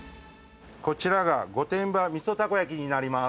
こちらが御殿場味噌たこ焼になります。